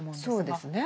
そうですね。